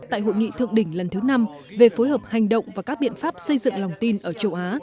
tại hội nghị thượng đỉnh lần thứ năm về phối hợp hành động và các biện pháp xây dựng lòng tin ở châu á